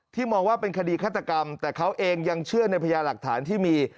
มองว่าเป็นคดีฆาตกรรมแต่เขาเองยังเชื่อในพญาหลักฐานที่มี